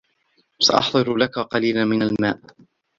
سأحضر لك قليلا من الماء.